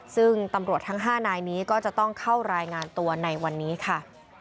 ซึ่งตำรวจทั้ง๕นายนี้ก็จะต้องเข้ารายงานตัวในวันนี้ค่ะ